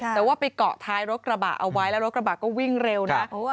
แต่ว่าไปเกาะท้ายรถกระบะเอาไว้แล้วรถกระบะก็วิ่งเร็วนะ